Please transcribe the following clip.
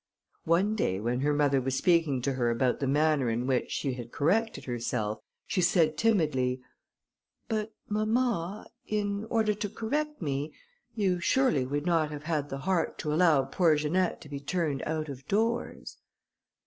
One day when her mother was speaking to her about the manner in which she had corrected herself, she said timidly, "But, mamma, in order to correct me, you surely would not have had the heart to allow poor Janette to be turned out of doors?"